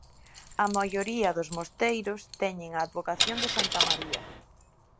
A maioría dos mosteiros teñen a advocación de santa María.